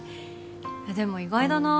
でも意外だな。